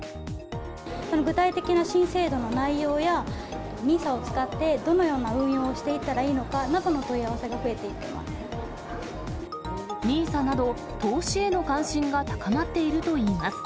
具体的な新制度の内容や、ＮＩＳＡを使ってどのような運用をしていったらいいのかなどの問ＮＩＳＡなど、投資への関心が高まっているといいます。